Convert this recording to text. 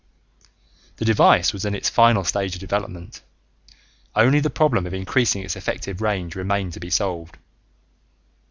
The device was in its final stage of development; only the problem of increasing its effective range remained to be solved.